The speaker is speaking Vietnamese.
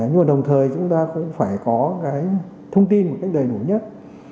nhưng mà đồng thời chúng ta cũng phải có cái thông tin một cách đầy đủ nhất